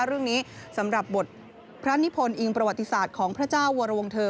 เรื่องนี้สำหรับบทพระนิพลอิงประวัติศาสตร์ของพระเจ้าวรวงเทอร์